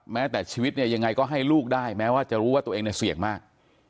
แม้แต่ชีวิตเนี่ยยังไงก็ให้ลูกได้แม้ว่าจะรู้ว่าตัวเองเนี่ยเสี่ยงมาก